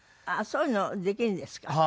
あっそういうのできるんですか？